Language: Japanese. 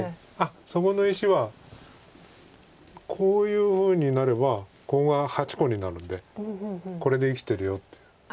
そこの石はこういうふうになればここが８個になるんでこれで生きてるよっていう。